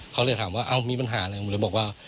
เขาเลยถามว่ามีปัญหาอะไรผมเลยบอกว่า